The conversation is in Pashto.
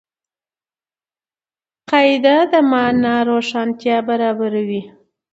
قاعده د مانا روښانتیا برابروي.